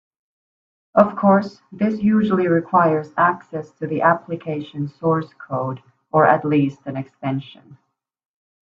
Of course, this usually requires access to the application source code (or at least an extension).